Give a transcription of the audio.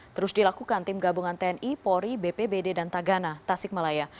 terus dilakukan tim gabungan tni pori bp bd dan tagana tasikmalaya